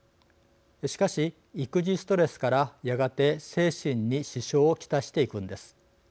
しかし育児ストレスからやがて精神に支障を来していくんです。